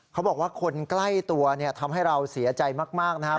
เขาบอกว่าคนใกล้ตัวทำให้เราเสียใจมากนะครับ